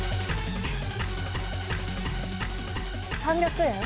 ３００円？